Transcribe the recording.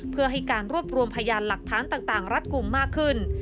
เพื่อให้การรวบรวมพยานหลักฐานต่างรัดกลุ่มมากขึ้น